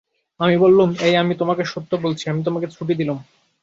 আমি বললুম, এই আমি তোমাকে সত্য বলছি, আমি তোমাকে ছুটি দিলুম।